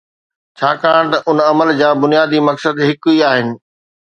ڇاڪاڻ ته ان عمل جا بنيادي مقصد هڪ ئي آهن.